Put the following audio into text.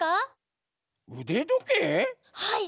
はい！